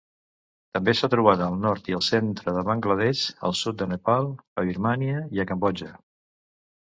També s'ha trobat al nord i el centre de Bangladesh, al sud de Nepal, a Birmània i a Cambodja.